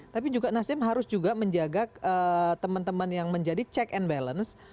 tapi juga nasdem harus juga menjaga teman teman yang menjadi check and balance